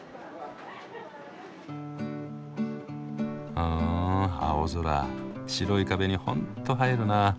うん青空白い壁にほんと映えるなあ。